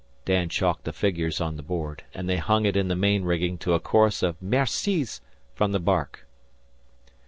Dan chalked the figures on the board, and they hung it in the main rigging to a chorus of mercis from the bark.